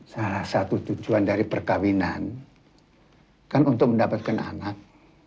salah satu tujuan dari perkawinan kan untuk mendapatkan anak